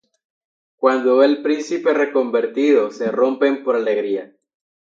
Cuando ve al príncipe reconvertido, se rompen por alegría.